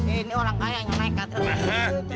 ini orang kaya yang naik katerin